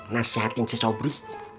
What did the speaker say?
nasihatin si sobri